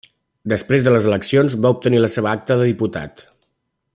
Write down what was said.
Després de les eleccions va obtenir la seva acta de diputat.